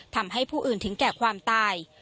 ทำให้ผู้อื่นถึงแก่ความตาย